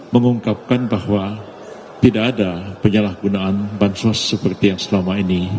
mengungkapkan bahwa tidak ada penyalahgunaan bansos seperti yang selama ini